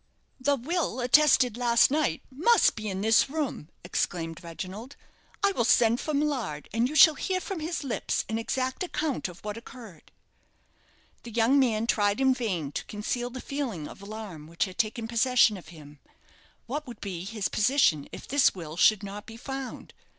"The will attested last night must be in this room," exclaimed Reginald. "I will send for Millard; and you shall hear from his lips an exact account of what occurred." The young man tried in vain to conceal the feeling of alarm which had taken possession of him. What would be his position if this will should not be found?